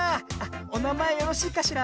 おなまえよろしいかしら？